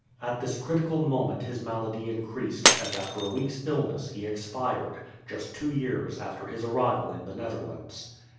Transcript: At this critical moment his malady increased, and after a week's illness he expired, just two years after his arrival in the Netherlands.